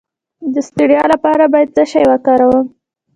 د ستړیا لپاره باید څه شی وکاروم؟